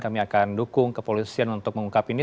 kami akan dukung kepolisian untuk mengungkap ini